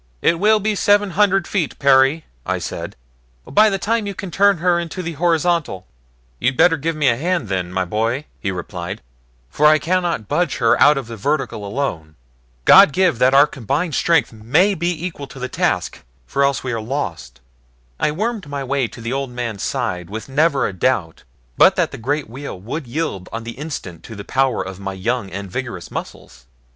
"It will be seven hundred feet, Perry," I said, "by the time you can turn her into the horizontal." "You'd better lend me a hand then, my boy," he replied, "for I cannot budge her out of the vertical alone. God give that our combined strength may be equal to the task, for else we are lost." I wormed my way to the old man's side with never a doubt but that the great wheel would yield on the instant to the power of my young and vigorous muscles.